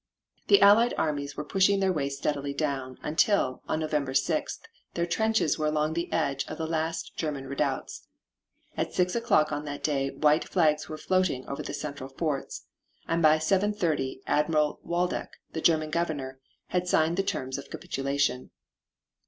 The Allied armies were pushing their way steadily down, until, on November 6th, their trenches were along the edge of the last German redoubts. At 6 o'clock on that day white flags were floating over the central forts and by 7.30 Admiral Waldeck, the German Governor, had signed the terms of capitulation.